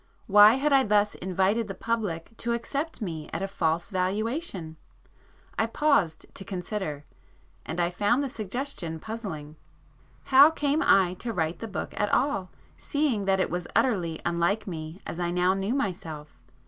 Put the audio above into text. Why had I thus invited the public to accept me at a false valuation? I paused to consider,—and I found the suggestion puzzling. How came I to write the book at all, seeing that it was utterly unlike me as I now knew myself?